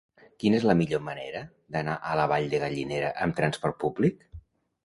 Quina és la millor manera d'anar a la Vall de Gallinera amb transport públic?